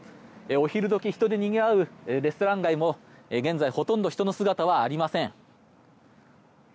お昼時人でにぎわうレストラン街も現在、ほとんど人の姿はありません。